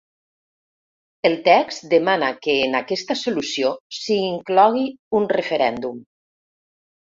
El text demana que en aquesta solució s’hi inclogui un referèndum.